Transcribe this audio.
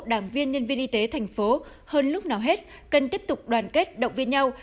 đảng viên nhân viên y tế thành phố hơn lúc nào hết cần tiếp tục đoàn kết động viên nhau